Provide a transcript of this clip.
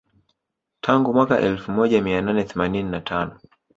Tangu mwaka elfu moja mia nane themanini na tano